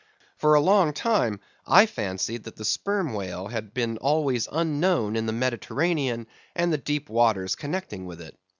For a long time I fancied that the sperm whale had been always unknown in the Mediterranean and the deep waters connecting with it.